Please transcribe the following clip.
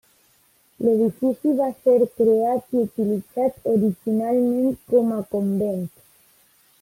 L'edifici va ser creat i utilitzat originalment com a convent.